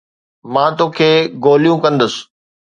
مان توکي گوليون ڪندس